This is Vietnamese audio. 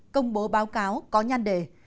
công bố báo cáo có nhanh đề